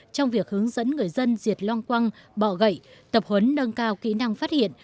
trong việc hướng dẫn người dân diệt long quăng bọ gậy tập huấn nâng cao kỹ năng phát hiện